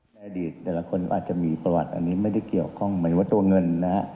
ในอดีตแต่ละคนอาจจะมีประวัติอันนี้ไม่ได้เกี่ยวข้องเหมือนว่าตัวเงินนะฮะ